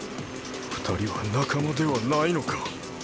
二人は仲間ではないのか？